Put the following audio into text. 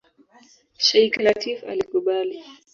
Sheikh Lateef alikubali.